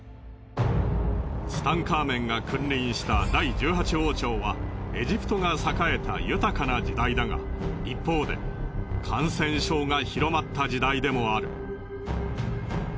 ツタンカーメンが君臨した第１８王朝はエジプトが栄えた豊かな時代だが一方で感染症が広まった時代でもある。